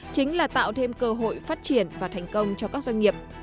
chính là tạo thêm cơ hội phát triển và thành công cho các doanh nghiệp